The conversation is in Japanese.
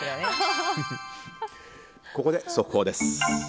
ここで速報です。